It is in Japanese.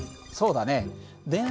そうだね。